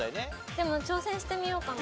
でも挑戦してみようかな。